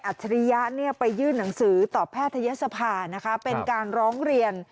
ฉริยะไปยื่นหนังสือต่อแพทยศภานะคะเป็นการร้องเรียน